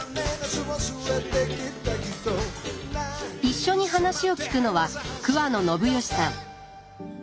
一緒に話を聞くのは桑野信義さん。